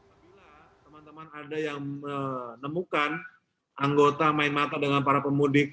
apabila teman teman ada yang menemukan anggota main mata dengan para pemudik